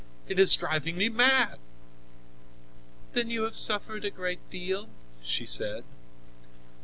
It is driving me mad." "Then you have suffered a great deal?" she said.